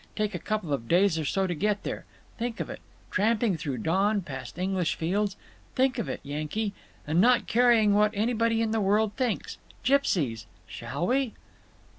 Take a couple of days or so to get there. Think of it! Tramping through dawn, past English fields. Think of it, Yankee. And not caring what anybody in the world thinks. Gipsies. Shall we?"